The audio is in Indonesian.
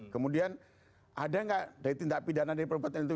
kemudian ada nggak dari tindak pidana dari perbuatan itu